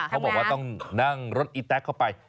เขาบอกว่าต้องนั่งรถอีแต๊กเข้าไป